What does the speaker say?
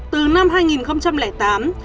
từ năm hai nghìn tám